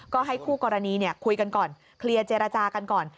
ก็ให้คู่กรณีคุยกันก่อนเคลียร์เจรจากันก่อน